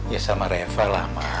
ya sama reva lah